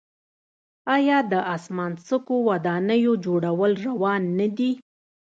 آیا د اسمان څکو ودانیو جوړول روان نه دي؟